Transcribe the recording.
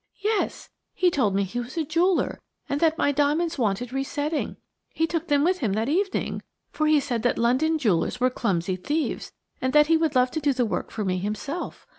"Yes; he told me he was a jeweller, and that my diamonds wanted re setting. He took them with him that evening, for he said that London jewellers were clumsy thieves, and that he would love to do the work for me himself.